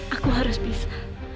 aku harus bisa